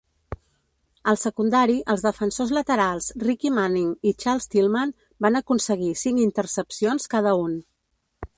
Al secundari, els defensors laterals Ricky Manning i Charles Tillman van aconseguir cinc intercepcions cada un.